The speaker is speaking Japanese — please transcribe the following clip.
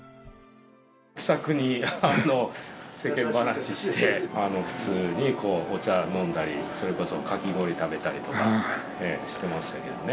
気さくに、世間話して、普通にこう、お茶飲んだり、それこそかき氷食べたりとかしてましたけどね。